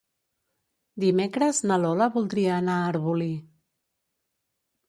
Dimecres na Lola voldria anar a Arbolí.